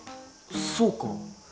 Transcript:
そうか。